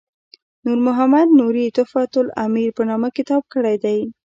نور محمد نوري تحفة الامیر په نامه کتاب کړی دی.